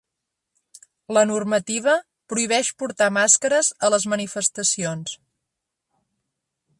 La normativa prohibeix portar màscares a les manifestacions.